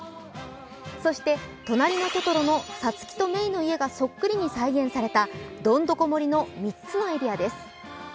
そして「となりのトトロ」のサツキとメイの家がそっくり再現されたどんどこ森の３つのエリアです。